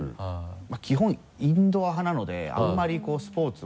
基本インドア派なのであんまりスポーツは。